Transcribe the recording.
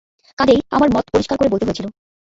কাজেই আমার মত পরিষ্কার করে বলতে হয়েছিল।